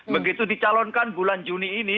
begitu dicalonkan bulan juni ini